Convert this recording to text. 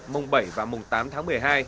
mùng bảy và mùng tám tháng một mươi hai